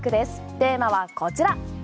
テーマはこちら。